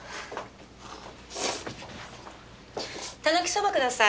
たぬきそば下さい。